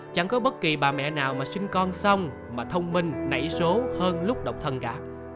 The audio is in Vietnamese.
chẳng có bất kỳ bà mẹ nào mà sinh con xong mà thông minh nảy số hơn lúc độc thân cả